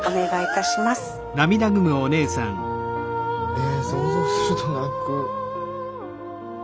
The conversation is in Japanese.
え想像すると泣く。